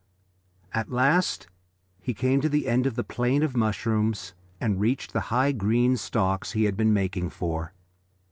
At last he came to the end of the plain of mushrooms and reached the high green stalks he had been making for.